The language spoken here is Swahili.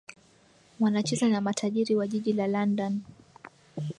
wanacheza na matajiri wa jiji la london